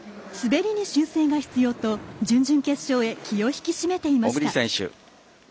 滑りに修正が必要と準々決勝へ気を引き締めていました。